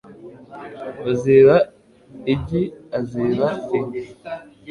Uziba igi aziba inka